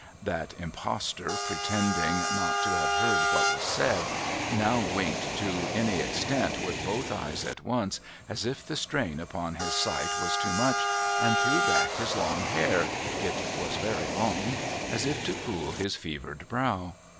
' That impostor, pretending not to have heard what was said, now winked to any extent with both eyes at once, as if the strain upon his sight was too much, and threw back his long hair — it was very long — as if to cool his fevered brow.